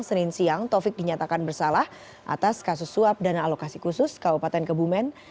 senin siang taufik dinyatakan bersalah atas kasus suap dana alokasi khusus kabupaten kebumen